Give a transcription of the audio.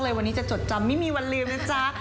วันนี้จะจดจำไม่มีวันลืมนะจ๊ะ